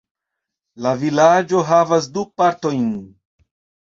La vilaĝo havas du partojn.